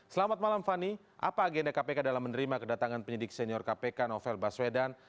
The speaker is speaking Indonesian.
selamat malam fani apa agenda kpk dalam menerima kedatangan penyidik senior kpk novel baswedan